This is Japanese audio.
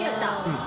うん。